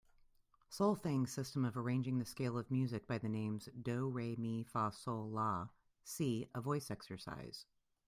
Solfaing system of arranging the scale of music by the names do, re, mi, fa, sol, la, si a voice exercise.